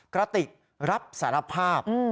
กระติกรับสารภาพ